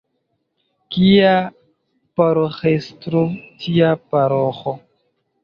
Kia paroĥestro, tia paroĥo.